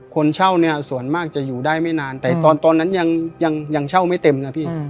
คนเช่าเนี่ยส่วนมากจะอยู่ได้ไม่นานแต่ตอนนั้นยังเช่าไม่เต็มนะพี่